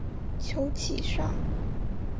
求其上